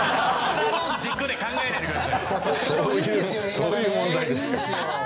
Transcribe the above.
そういう問題ですか。